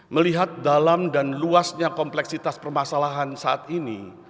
melihat dalam dan luasnya kompleksitas permasalahan saat ini